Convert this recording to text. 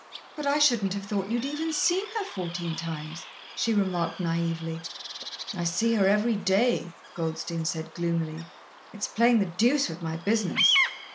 "But I shouldn't have thought you'd even seen her fourteen times," she remarked naïvely. "I see her every day," Goldstein said gloomily. "It's playing the deuce with my business.